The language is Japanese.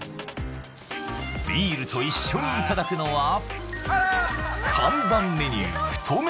ビールと一緒にいただくのは看板メニュー太麺